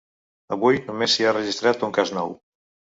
Avui només s’hi ha registrat un cas nou.